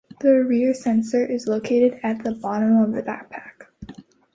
The rear sensor is located at the bottom of the backpack.